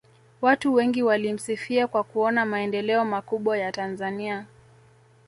watu wengi walimsifia kwa kuona maendeleo makubwa ya tanzania